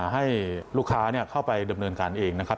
ให้ลูกค้าเข้าไปดำเนินการเองนะครับ